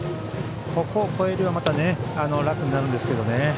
ここを超えればまた楽になるんですけどね。